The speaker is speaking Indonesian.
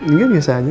enggak biasa aja